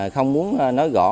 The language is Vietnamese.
không muốn nói rõ